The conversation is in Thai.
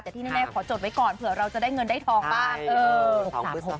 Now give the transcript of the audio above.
แต่ที่แน่ขอจดไว้ก่อนเผื่อเราจะได้เงินได้ทองบ้าง